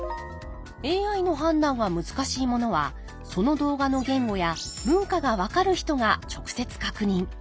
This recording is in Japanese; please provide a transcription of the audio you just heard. ＡＩの判断が難しいものはその動画の言語や文化が分かる人が直接確認。